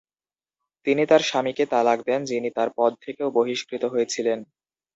তিনি তার স্বামীকে তালাক দেন যিনি তার পদ থেকেও বহিষ্কৃত হয়েছিলেন।